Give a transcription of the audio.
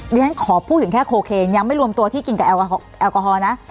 เรียนขอพูดถึงแค่โคเคนยังไม่รวมตัวที่กินกับแอลกอฮอลนะ